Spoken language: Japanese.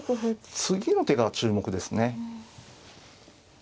次の手が注目ですね。